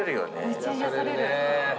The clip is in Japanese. めっちゃ癒やされる。